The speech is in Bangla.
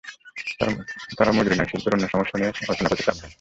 তাঁরা মজুরি নয়, শিল্পের অন্য সমস্যা নিয়ে আলোচনা করতে চাপ দেন।